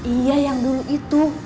iya yang dulu itu